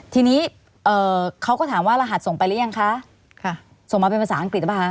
ทีนี้เขาก็ถามว่ารหัสส่งไปหรือยังคะส่งมาเป็นภาษาอังกฤษไหมคะ